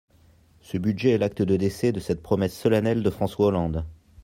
Ce budget est l’acte de décès de cette promesse solennelle de François Hollande.